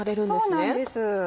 そうなんです。